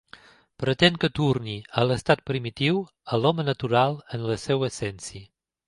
Pretén que torni a l'estat primitiu, a l'home natural en la seva essència.